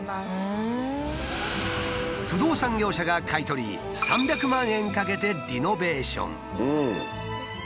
不動産業者が買い取り３００万円かけてリノベーション。